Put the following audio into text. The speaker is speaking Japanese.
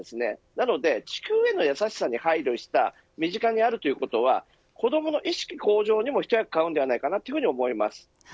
なので、地球への優しさに配慮した身近にあるということは子どもの意識向上にも一役買うんではないかと思います。